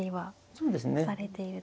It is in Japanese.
そうですね。